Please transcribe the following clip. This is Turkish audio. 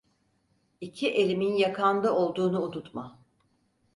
İki elimin yakanda olduğunu unutma…